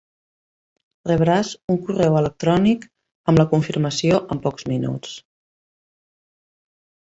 Rebràs un correu electrònic amb la confirmació en pocs minuts.